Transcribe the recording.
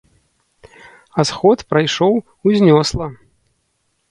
А сход прайшоў узнёсла.